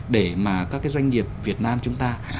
để mà các doanh nghiệp việt nam chúng ta